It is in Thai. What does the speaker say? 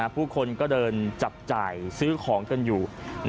ผู้คนก็เดินจับจ่ายซื้อของกันอยู่